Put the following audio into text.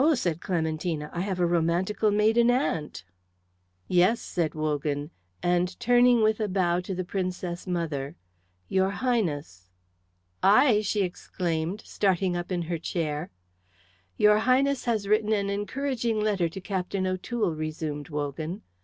said Clementina, "I have a romantical maiden aunt." "Yes," said Wogan, and turning with a bow to the Princess mother; "your Highness." "I?" she exclaimed, starting up in her chair. "Your Highness has written an encouraging letter to Captain O'Toole," resumed Wogan.